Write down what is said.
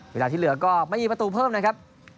เวลาที่เหลือก็ไม่มีประตูเพิ่มนะครับ